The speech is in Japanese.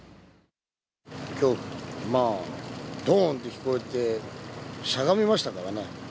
恐怖、どーんって聞こえて、しゃがみましたからね。